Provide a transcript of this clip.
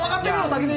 先に！